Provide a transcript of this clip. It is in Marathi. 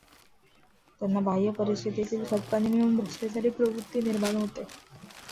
त्यांना बाह्य परिस्थितीचं खतपाणी मिळून भ्रष्टाचारी प्रवृत्ती निर्माण होते.